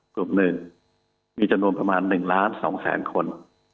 กลุ่มหนึ่งมีจำนวนประมาณ๑ล้าน๒แสนคน